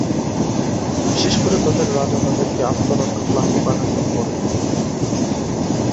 বিশেষ করে তাদের রাজা তাদেরকে আত্মরক্ষা ক্লাসে পাঠানোর পরে।